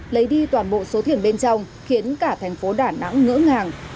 lấy đi toàn bộ số thuyền bên trong khiến cả thành phố đà nẵng ngỡ ngàng